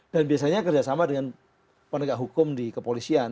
dan biasanya kerjasama dengan penegak hukum di kepolisian